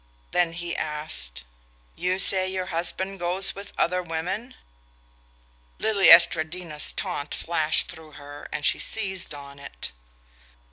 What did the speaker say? Then he asked: "You say your husband goes with other women?" Lili Estradina's taunt flashed through her and she seized on it.